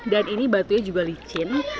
dan ini batunya juga licin